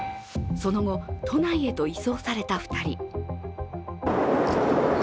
その後、都内へと移送された２人。